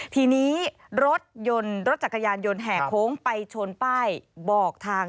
ทีนี้รถยนต์รถจักรยานยนต์แห่โค้งไปชนป้ายบอกทาง